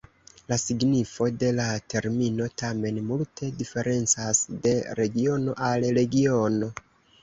La signifo de la termino tamen multe diferencas de regiono al regiono.